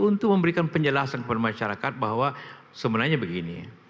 untuk memberikan penjelasan kepada masyarakat bahwa sebenarnya begini